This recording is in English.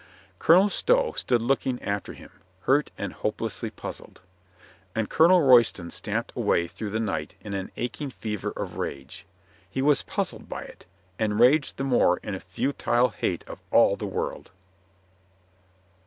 Colonel Stow stood looking after him, hurt and hopelessly puzzled. And Colonel Royston stamped away through the night in an aching fever of rage. He was puzzled by it, and raged the more in a futile hate of all the world.